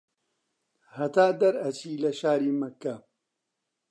هەتا دەرئەچی لە شاری مەککە